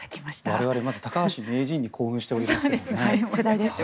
我々、まず高橋名人に興奮しておりますけどね。